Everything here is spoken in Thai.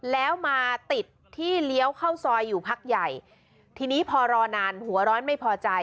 แล้วมาติดที่เลี้ยวเข้าซอยอยู่พักใหญ่ทีนี้พอรอนานหัวร้อนไม่พอใจ